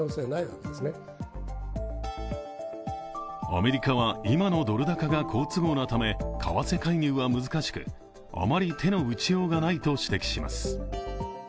アメリカは今のドル高が好都合のため為替介入は難しく、あまり手の打ちようがないと指摘します。